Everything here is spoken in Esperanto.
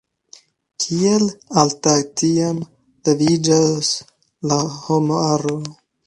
Kiel alte tiam leviĝus la homaro!